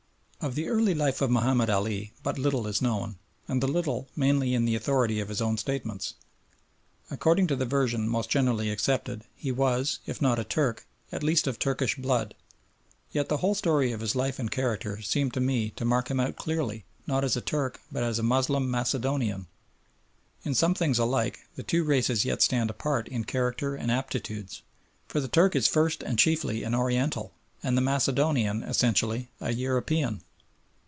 Of the early life of Mahomed Ali but little is known, and that little mainly on the authority of his own statements. According to the version most generally accepted he was, if not a Turk, at least of Turkish blood; yet the whole story of his life and character seem to me to mark him out clearly, not as a Turk but as a Moslem Macedonian: in some things alike, the two races yet stand apart in character and aptitudes, for the Turk is first and chiefly an Oriental, and the Macedonian essentially a European.